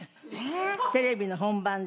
テレビの本番で。